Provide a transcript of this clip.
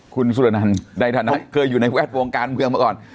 คุณสุรนันในฐานะเคยอยู่ในแวดวงการเมืองมาก่อน